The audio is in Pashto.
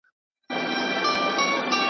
که خندل دي نو به ګورې چي نړۍ درسره خاندي .